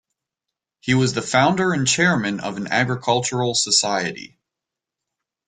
He was the founder and chairman of an Agricultural Society.